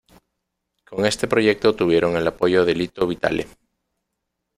Con este proyecto tuvieron el apoyo de Lito Vitale.